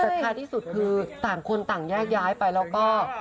แต่ท้ายที่สุดคือต่างคนต่างแยกย้ายไปแล้วก็